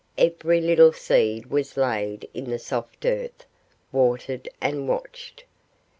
Every little seed was laid in the soft earth, watered, and watched.